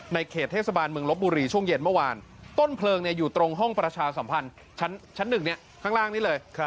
เขตเทศบาลเมืองลบบุรีช่วงเย็นเมื่อวานต้นเพลิงอยู่ตรงห้องประชาสัมพันธ์ชั้น๑ข้างล่างนี้เลย